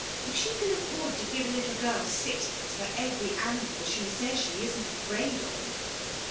If she can afford to give a little girl sixpence for every animal she says she isn't afraid of!'...